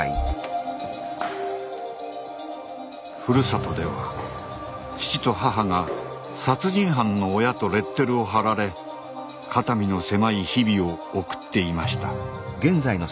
ふるさとでは父と母が「殺人犯の親」とレッテルを貼られ肩身の狭い日々を送っていました。